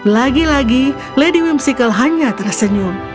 lagi lagi lady whimsical hanya tersenyum